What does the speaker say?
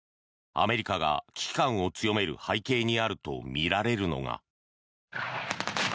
アメリカが危機感を強める背景にあるとみられるのが。